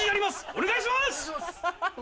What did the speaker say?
お願いします！